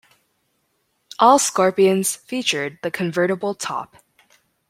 All Scorpions featured the convertible top.